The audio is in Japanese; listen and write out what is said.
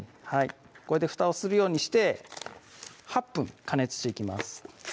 これでふたをするようにして８分加熱していきます